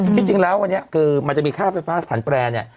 จริงแล้ววันนี้คือมันจะมีค่าไฟฟ้าผันแปรเนี่ย